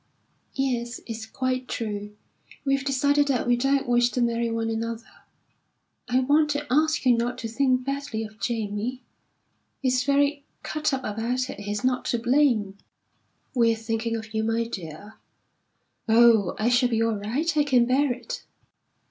"Yes, it's quite true. We've decided that we don't wish to marry one another. I want to ask you not to think badly of Jamie. He's very cut up about it. He's not to blame." "We're thinking of you, my dear." "Oh, I shall be all right. I can bear it."